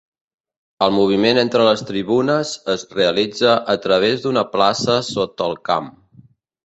El moviment entre les tribunes es realitza a través d'una plaça sota el camp.